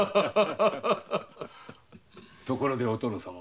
ところでお殿様。